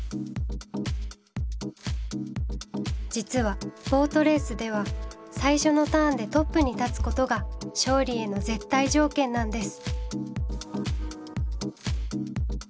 実はボートレースでは最初のターンでトップに立つことが勝利への絶対条件なんです。